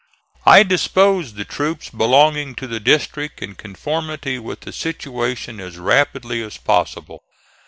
I disposed the troops belonging to the district in conformity with the situation as rapidly as possible.